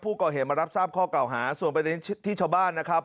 ผู้ก่อเหตุมารับทราบข้อเก่าหาส่วนประเด็นที่ชาวบ้านนะครับ